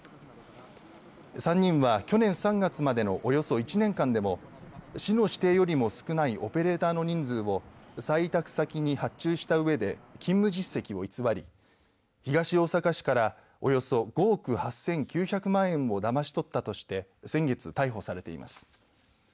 ３人は去年３月末のおよそ１年間でも市の指定よりも少ないオペレーターの人数を再委託先に発注したうえで勤務実績を偽り東大阪市からおよそ５億８９００万円をだまし取ったとして先月逮捕されています。